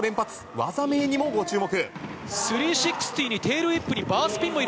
技名にもご注目。